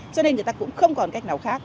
cho nên người ta cũng không còn cách nào khác